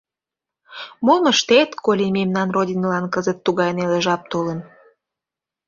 Мом ыштет, коли мемнан Родинылан кызыт тугай неле жап толын.